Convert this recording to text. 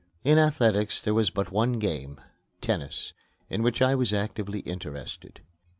In athletics there was but one game, tennis, in which I was actively interested.